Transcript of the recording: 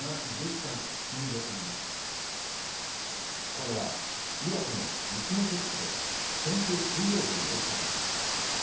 これは岩手の一関市で先週水曜日に起きたこと。